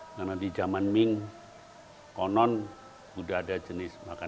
karena di zaman ming konon sudah ada jenis makan